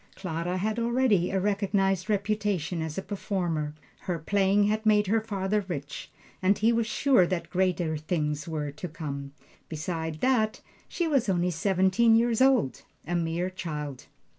Clara had already a recognized reputation as a performer; her playing had made her father rich, and he was sure that greater things were to come. Beside that, she was only seventeen years old a mere child.